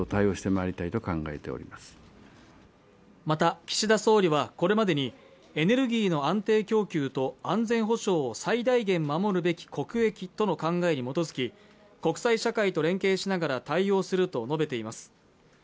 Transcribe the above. また岸田総理はこれまでにエネルギーの安定供給と安全保障を最大限守るべき国益との考えに基づき国際社会と連携しながら対応すると述べています